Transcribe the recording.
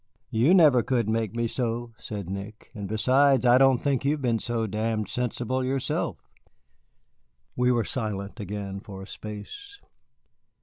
"You never could make me so," said Nick, "and besides, I don't think you've been so damned sensible yourself." We were silent again for a space.